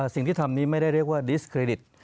สิ่งที่ทำนี้ไม่ได้เรียกว่าดิสเครดิต